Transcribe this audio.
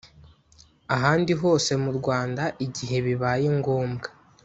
ahandi hose mu rwanda igihe bibaye ngombwa